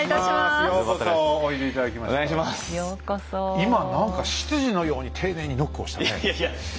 今何か執事のように丁寧にノックをしたねえ。